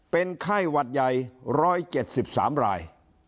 เป็นไข้หวัดใหญ่๑๗๓ราย